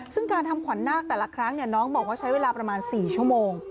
ซึ่งการทำขวัญนาคแต่ละครั้งน้องบอกว่าใช้เวลาประมาณ๔ชั่วโมง